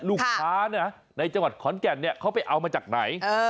ลูกค้าในจังหวัดขอนแก่นเขาไปเอามาจากไหน